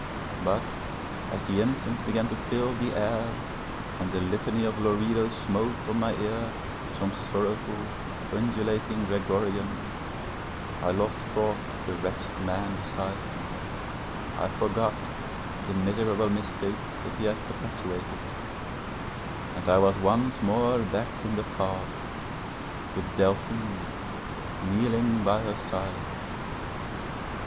But as the incense began to fill the air, and the Litany of Loreto smote on my ear to some sorrowful, undulating Gregorian, I lost thought of the wretched man beside me; I forgot the miserable mistake that he had perpetuated, and I was once more back in the past with Delphine kneeling by her side.